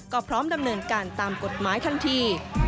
ก็พร้อมดำเนินการตามกฎหมายทันที